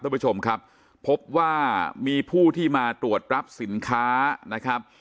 ท่านผู้ชมครับพบว่ามีผู้ที่มาตรวจรับสินค้านะครับ